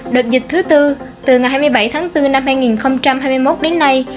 đợt dịch thứ tư từ ngày hai mươi bảy tháng bốn năm hai nghìn hai mươi một đến nay